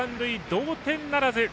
同点ならず。